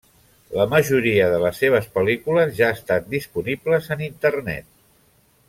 La majoria de les seves pel·lícules ja estan disponibles en internet.